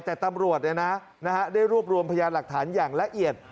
แต่ตำรวจได้รวบรวมพยานหลักฐานอย่างละเอียด